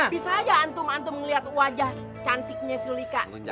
bisa aja antum antum melihat wajah cantiknya sulika